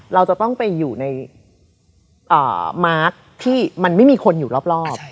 เราจะต้องไปอยู่ในมาร์คที่มันไม่มีคนอยู่รอบ